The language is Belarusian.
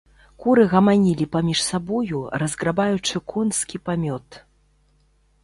Куры гаманілі паміж сабою, разграбаючы конскі памёт.